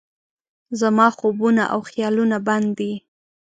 زما خوبونه او خیالونه بند دي